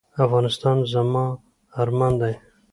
افغانستان زما ارمان دی؟